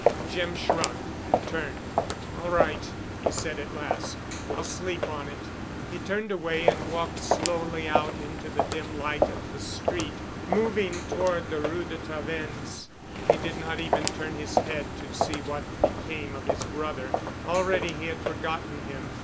Jim shrugged and turned. "All right," he said at last. "I'll sleep on it." He turned away and walked slowly out into the dim light of the street, moving toward the Rue de Tavennes. He did not even turn his head to see what became of his brother. Already he had forgotten him.